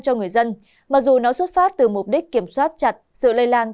cho người dân mặc dù nó xuất phát từ mục đích kiểm soát chặt sự lây lan